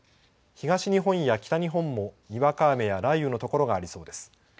東日本や北日本もにわか雨や雷雨の所がありそうです。